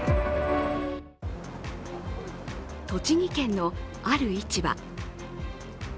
栃木県の、ある市場。